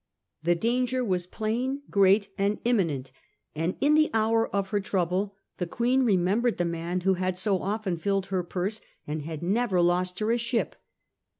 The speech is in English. The danger was plain, great, and imminent, and in the hour of her trouble the Queen remembered the man who had so often flUed her purse, and had never lost her a ship.